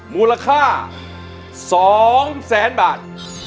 มูลค่า๒๐๐๐๐๐บาท